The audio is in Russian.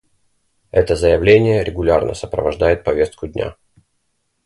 Это заявление регулярно сопровождает повестку дня.